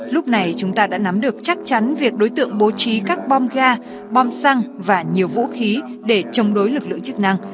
lúc này chúng ta đã nắm được chắc chắn việc đối tượng bố trí các bom ga bom xăng và nhiều vũ khí để chống đối lực lượng chức năng